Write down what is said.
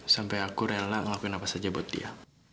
sampai aku rela ngelakuin apa saja buat dia